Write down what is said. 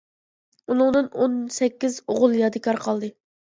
ئۇنىڭدىن ئون سەككىز ئوغۇل يادىكار قالدى.